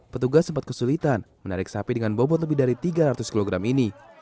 petugas sempat kesulitan menarik sapi dengan bobot lebih dari tiga ratus kg ini